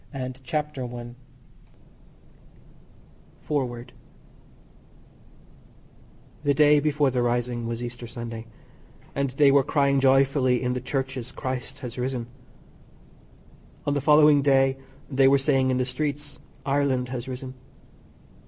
THE IRISH QUESTIONS FOREWORD The day before the rising was Easter Sunday, and they were crying joyfully in the Churches "Christ has risen." On the following day they were saying in the streets "Ireland has risen."